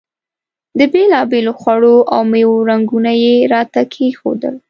د بېلابېلو خوړو او میوو رنګونه یې راته کېښودل.